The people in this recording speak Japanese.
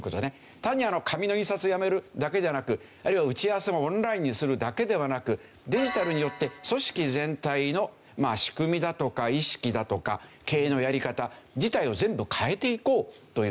単に紙の印刷をやめるだけではなくあるいは打ち合わせもオンラインにするだけではなくデジタルによって組織全体の仕組みだとか意識だとか経営のやり方自体を全部変えていこうという。